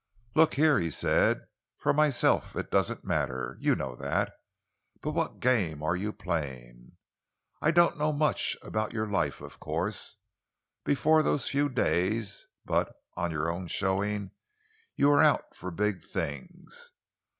"Look here," he said, "for myself it doesn't matter you know that but what game are you playing? I don't know much about your life, of course, before those few days, but on your own showing you were out for big things.